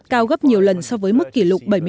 cao gấp nhiều lần so với mức kỷ lục